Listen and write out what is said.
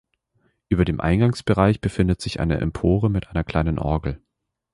Über dem Eingangsbereich befindet sich eine Empore mit einer kleinen Orgel.